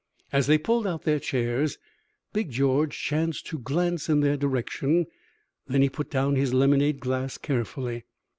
As they pulled out their chairs, Big George chanced to glance in their direction; then he put down his lemonade glass carefully.